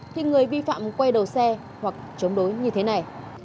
khi người vi phạm quay đầu xe hoặc chống đối như thế này